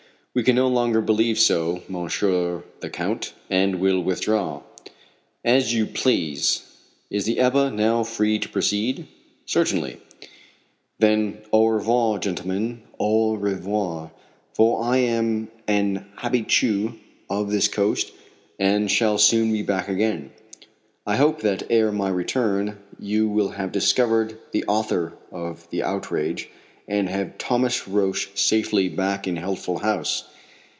"We can no longer believe so, Monsieur the Count, and will withdraw." "As you please. Is the Ebba now free to proceed?" "Certainly." "Then au revoir, gentlemen, au revoir, for I am an habitué of this coast and shall soon be back again. I hope that ere my return you will have discovered the author of the outrage, and have Thomas Roch safely back in Healthful House.